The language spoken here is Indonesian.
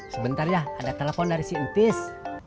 sebentar ya ada telepon dari si untis